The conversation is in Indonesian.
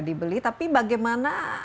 dibeli tapi bagaimana